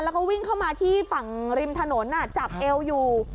แล้วก็วิ่งเข้ามาที่ฝั่งริมถนนจับเอวอยู่